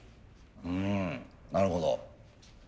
うんなるほど。